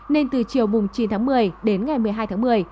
nên từ chiều chín tháng một mươi đến ngày một mươi hai tháng một mươi